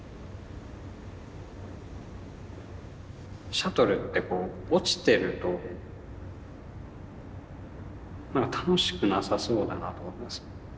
シャトルってこう落ちてるとなんか楽しくなさそうだなと思ったんですよ。